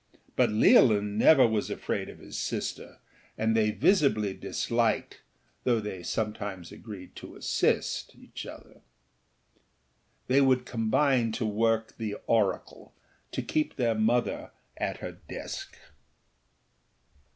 But Leolin never was afraid of his sister, and they visibly disliked, though they sometimes agreed to assist, each other. They could combine to work the oracleâto keep their mother at her desk.